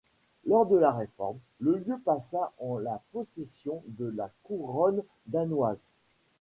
Lors de la réforme, le lieu passa en la possession de la couronne danoise.